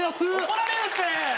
怒られるってー！